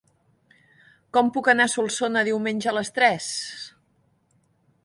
Com puc anar a Solsona diumenge a les tres?